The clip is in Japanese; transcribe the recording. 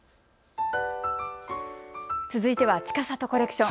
続いてはちかさとコレクション。